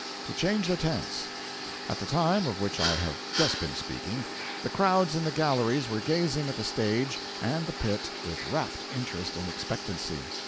To change the tense. At the time of which I have just been speaking the crowds in the galleries were gazing at the stage and the pit with rapt interest and expectancy.